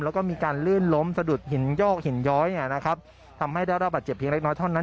แล้วก็มีการลื่นล้มสะดุดหินยอกหินย้อยเนี่ยนะครับทำให้ได้เราบาดเจ็บเล็กน้อยเท่านั้น